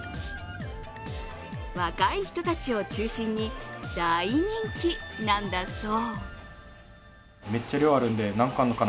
若い人たちを中心に大人気なんだそう。